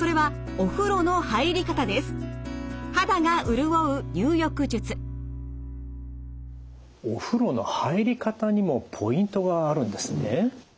お風呂の入り方にもポイントがあるんですね。